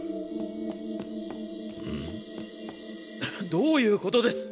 どういうことです！